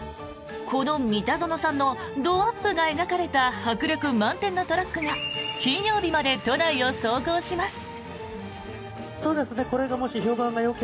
この三田園さんのドアップが描かれた迫力満点のトラックが金曜日まで都内を走行します。